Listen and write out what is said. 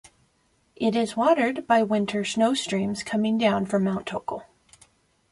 It is watered by winter-snow streams coming down from Mount Tochal.